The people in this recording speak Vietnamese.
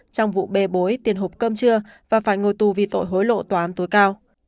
trong vụ bê bối tiền hộp cơm trưa và phải ngồi tù vì tội hối lộ tòa án tối cao